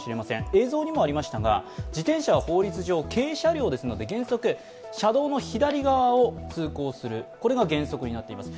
映像にもありましたが、自転車は法律上、軽車両ですので原則、車道の左側を通行する、これが原則になっています。